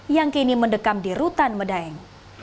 yang kini mendekam di rutan medaeng